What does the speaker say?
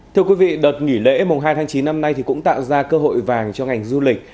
thưa quý vị đợt nghỉ lễ mùng hai tháng chín năm nay cũng tạo ra cơ hội vàng cho ngành du lịch